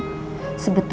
sebetulnya mereka itu